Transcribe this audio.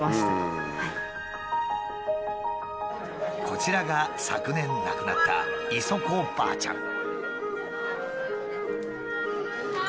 こちらが昨年亡くなったイソコばあちゃん。